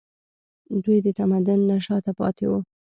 دوی د تمدن نه شاته پاتې وو